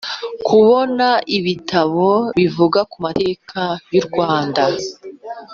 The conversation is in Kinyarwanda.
kubona ibitabo bivuga ku mateka y’u rwanda